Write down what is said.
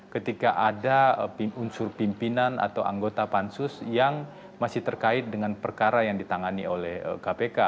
ketika ada unsur pimpinan atau anggota pansus yang masih terkait dengan perkara yang ditangani oleh kpk